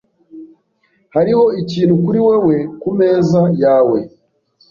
Hariho ikintu kuri wewe kumeza yawe .